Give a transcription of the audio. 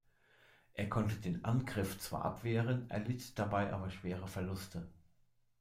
Er konnte den Angriff zwar abwehren, erlitt dabei aber schwere Verluste.